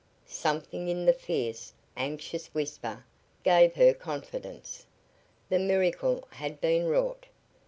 Something in the fierce, anxious whisper gave her confidence. The miracle had been wrought!